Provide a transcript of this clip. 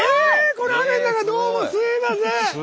この雨の中どうもすいません。